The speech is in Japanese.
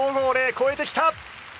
超えてきた！